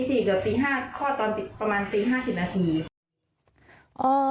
๔ส์เดี๋ยว๔ส์๕ส์คลอดประมาณ๔๕๐นาที